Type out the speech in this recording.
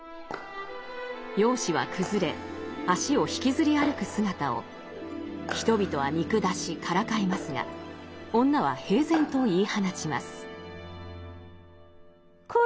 容姿は崩れ足を引きずり歩く姿を人々は見下しからかいますが女は平然と言い放ちます。